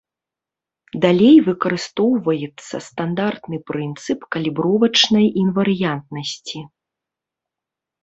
Далей выкарыстоўваецца стандартны прынцып калібровачнай інварыянтнасці.